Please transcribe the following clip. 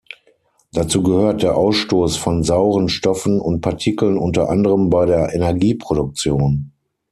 Dazu gehört der Ausstoß von sauren Stoffen und Partikeln unter anderem bei der Energieproduktion.